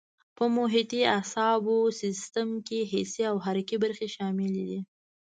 په محیطي اعصابو سیستم کې حسي او حرکي برخې شاملې دي.